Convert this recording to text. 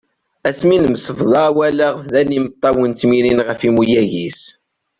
Ass mi nemsebḍa walaɣ bdan imeṭṭawen ttmirin-d ɣef imuyag-is.